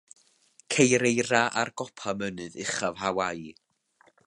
Ceir eira ar gopa mynydd uchaf Hawaii.